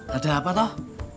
ada apa toh